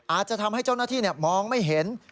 อาจจะทำให้เจ้าหน้าที่มองไม่เห็น